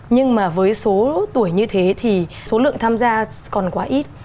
nhưng mà với số tuổi như thế thì số lượng tham gia còn quá ít